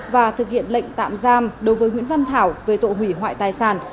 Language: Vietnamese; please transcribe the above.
và thực hiện lệnh tạm giam đối với nguyễn văn thảo về tội hủy hoại tài sản